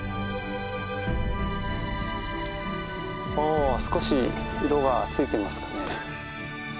お少し色がついてますかね。